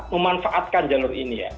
memanfaatkan jalur ini ya